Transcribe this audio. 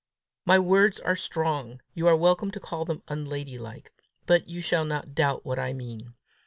My words are strong; you are welcome to call them unladylike; but you shall not doubt what I mean.